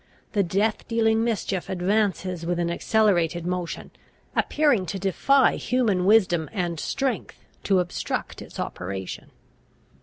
The death dealing mischief advances with an accelerated motion, appearing to defy human wisdom and strength to obstruct its operation.